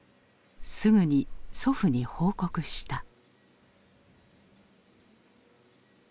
すぐに祖父に報告した。